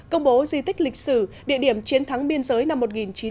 công bố di tích lịch sử địa điểm chiến thắng biên giới năm một nghìn chín trăm năm mươi